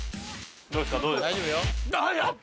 どうですか？